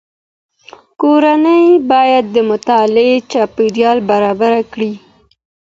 کورنۍ باید د مطالعې چاپیریال برابر کړي.